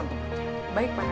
sangat baik pak